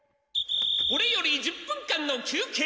これより１０分間の休けいです。